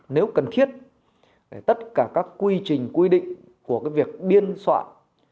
nếu cần thiết để tất cả các quy trình quy định của cái việc biên soạn